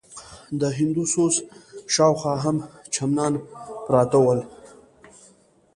د هندوسوز شاوخوا هم چمنان پراته ول.